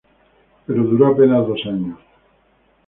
Pero duró apenas dos años.